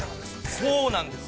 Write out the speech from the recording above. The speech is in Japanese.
◆そうなんですよ。